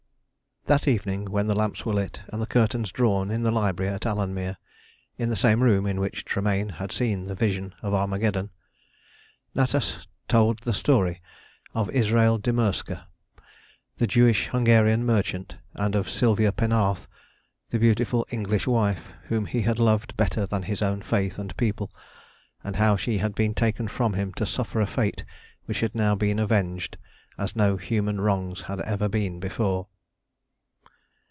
That evening, when the lamps were lit and the curtains drawn in the library at Alanmere, in the same room in which Tremayne had seen the Vision of Armageddon, Natas told the story of Israel di Murska, the Jewish Hungarian merchant, and of Sylvia Penarth, the beautiful English wife whom he had loved better than his own faith and people, and how she had been taken from him to suffer a fate which had now been avenged as no human wrongs had ever been before.